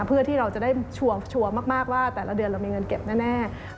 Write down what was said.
เพื่อที่เราจะได้ชัวร์มากว่าแต่ละเดือนเรามีเงินเก็บแน่